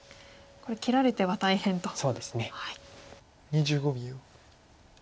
２５秒。